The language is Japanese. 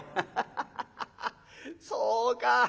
「ハハハハそうか。